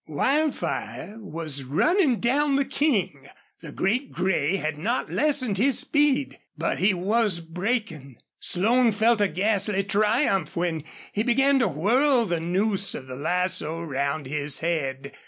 Wildfire was running down the King. The great gray had not lessened his speed, but he was breaking. Slone felt a ghastly triumph when he began to whirl the noose of the lasso round his head.